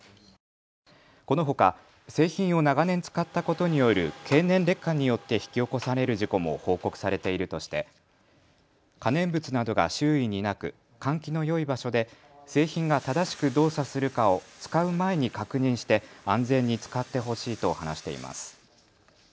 このほか製品を長年使ったことによる経年劣化によって引き起こされる事故も報告されているとして可燃物などが周囲になく換気のよい場所で製品が正しく動作するかを使う前に確認して安全に使ってほしいと話しています。